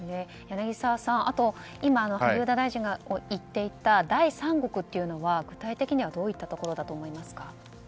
柳澤さん萩生田大臣が言っていた第三国というのは、具体的にはどういったところだと思います？